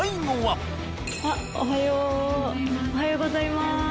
おはようございます。